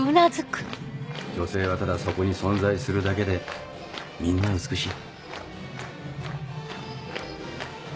女性はただそこに存在するだけでみんな美しい。